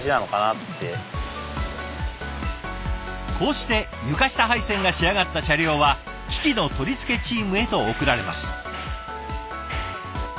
発見というかこうして床下配線が仕上がった車両は機器の取り付けチームへと送られます。